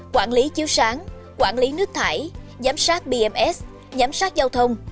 quản lý chiếu sáng quản lý nước thải giám sát bms giám sát giao thông